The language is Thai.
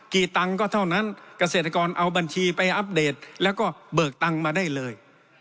ตังค์ก็เท่านั้นเกษตรกรเอาบัญชีไปอัปเดตแล้วก็เบิกตังค์มาได้เลย